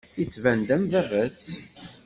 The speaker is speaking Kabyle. Yettban-d am baba-s.